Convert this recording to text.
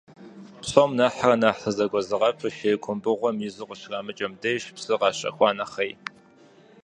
Псом нэхърэ нэхъ сызэгузыгъэпыр шейр кумбыгъэм изу къыщарамыкӏэм дежщ, псыр къащэхуа нэхъей.